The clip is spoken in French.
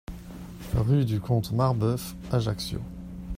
Rue du Comte Marbeuf, Ajaccio